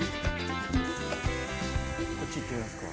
こっち行ってみますか。